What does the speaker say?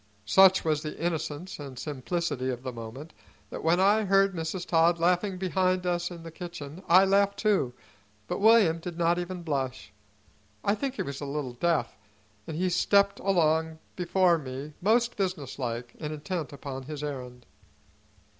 Such was the innocence and simplicity of the moment that when I heard Mrs. Todd laughing behind us in the kitchen I laughed too, but William did not even blush. I think he was a little deaf, and he stepped along before me most businesslike and intent upon his errand.